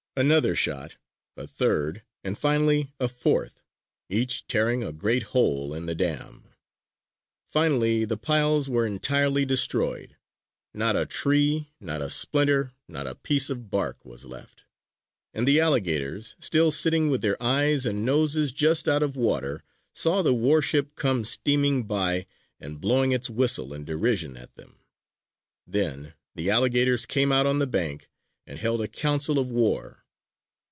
Another shot, a third, and finally a fourth, each tearing a great hole in the dam. Finally the piles were entirely destroyed; not a tree, not a splinter, not a piece of bark, was left; and the alligators, still sitting with their eyes and noses just out of water, saw the warship come steaming by and blowing its whistle in derision at them. Then the alligators came out on the bank and held a council of war.